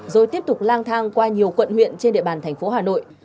rồi tiếp tục lang thang qua nhiều quận huyện trên địa bàn thành phố hà nội